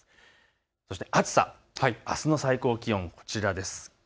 そして暑さ、あすの最高気温、こちらです。